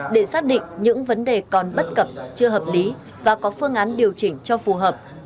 để xác định những vấn đề còn bất cập chưa hợp lý và có phương án điều chỉnh cho phù hợp